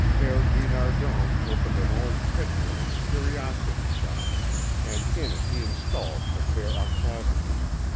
Père Guinardon opened an old picture and curiosity shop, and in it he installed the fair Octavie.